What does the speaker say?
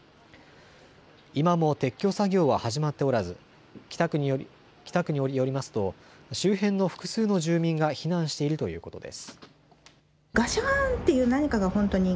今も撤去作業は始まっておらず北区によりますと周辺の複数の住民が避難しているということです。